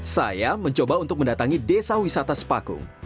saya mencoba untuk mendatangi desa wisata sepakung